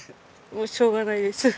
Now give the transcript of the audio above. もうしょうがないです。